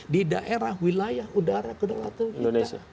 di daerah wilayah udara kedaulatan